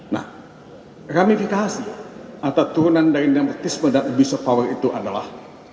nah ramifikasi atau turunan dari nepotisme dan abuse of power itu adalah